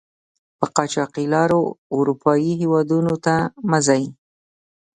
په قاچاقي لارو آروپایي هېودونو ته مه ځئ!